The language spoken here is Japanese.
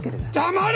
黙れ！